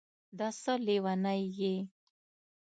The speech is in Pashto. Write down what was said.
دا څه لېونی یې